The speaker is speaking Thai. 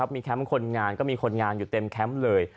มีแคมป์คนงานก็มีคนงานอยู่เต็มแคมป์เลย